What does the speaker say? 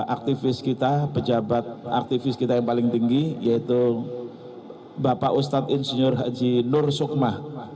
aktivis kita pejabat aktivis kita yang paling tinggi yaitu bapak ustadz insinyur haji nur sukma